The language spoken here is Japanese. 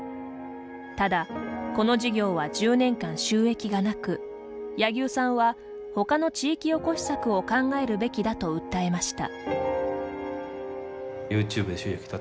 ただ、この事業は１０年間収益がなく柳生さんは他の地域おこし策を考えるべきだと訴えました。